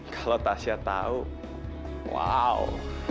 kalau tasya tau wow